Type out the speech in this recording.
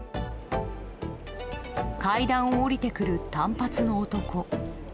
階段を下りてくる、短髪の男。